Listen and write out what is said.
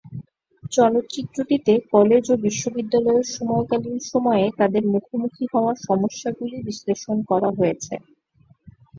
চলচ্চিত্রটিতে college ও বিশ্ববিদ্যালয়ের সময়কালীন সময়ে তাঁদের মুখোমুখি হওয়া সমস্যাগুলি বিশ্লেষণ করা হয়েছে।